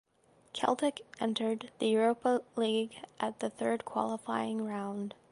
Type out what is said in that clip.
Celtic entered the Europa League at the third qualifying round.